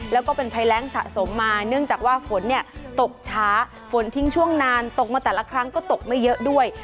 แล้วก็เป็นภัยแรงสะสมมาเนื่องจากว่าฝนเนี่ยตกช้าฝนทิ้งช่วงนานตกมาแต่ละครั้งก็ตกไม่เยอะด้วย